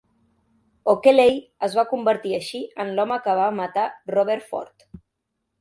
O'Kelley es va convertir així en "l'home que va matar Robert Ford".